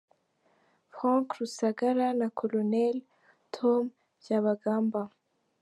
Frank Rusagara na Col. Tom Byabagamba